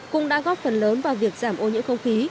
cũng đã góp phần lớn vào việc giảm ô nhiễm không khí